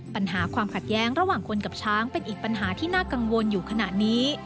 ปัญหาความขัดแย้งระหว่างคนกับช้างเป็นอีกปัญหาที่น่ากังวลอยู่ขณะนี้